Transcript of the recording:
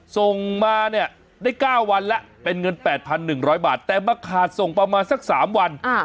ส่งมาเนี่ยได้๙วันแล้วเป็นเงิน๘๑๐๐บาทแต่มาขาดส่งประมาณสัก๓วัน